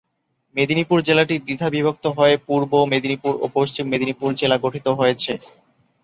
মেদিনীপুর জেলাটি দ্বিধাবিভক্ত হয়ে পূর্ব মেদিনীপুর ও পশ্চিম মেদিনীপুর জেলা গঠিত হয়েছে।